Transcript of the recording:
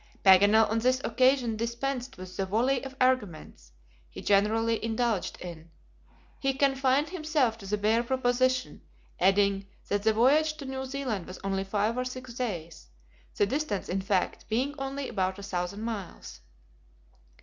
Paganel on this occasion dispensed with the volley of arguments he generally indulged in. He confined himself to the bare proposition, adding that the voyage to New Zealand was only five or six days the distance, in fact, being only about a thousand miles.